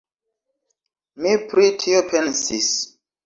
Mi pri tio pensis.